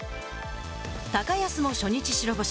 高安も初日白星。